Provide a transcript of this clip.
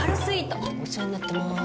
お世話になってます。